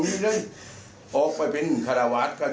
นี่คือสภาพ